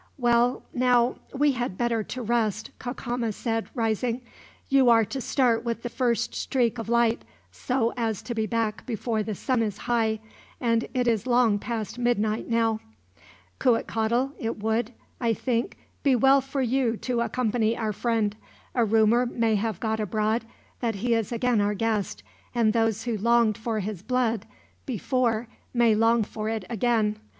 "Well now, we had better to rest," Cacama said, rising. "You are to start with the first streak of light, so as to be back before the sun is high, and it is long past midnight now. "Cuitcatl, it would, I think, be well for you to accompany our friend. A rumor may have got abroad that he is again our guest, and those who longed for his blood, before, may long for it again.